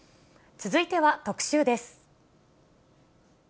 続いては特集です。